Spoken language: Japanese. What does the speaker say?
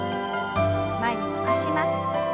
前に伸ばします。